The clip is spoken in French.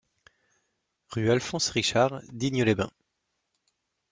Rue Alphonse Richard, Digne-les-Bains